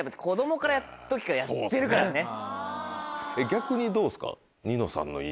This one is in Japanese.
逆にどうですか。